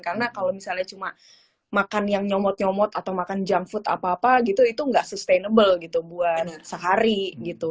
karena kalo misalnya cuma makan yang nyomot nyomot atau makan junk food apa apa gitu itu gak sustainable gitu buat sehari gitu